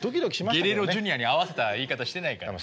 ゲレーロ・ジュニアに合わせた言い方してないから。